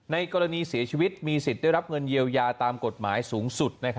กรณีเสียชีวิตมีสิทธิ์ได้รับเงินเยียวยาตามกฎหมายสูงสุด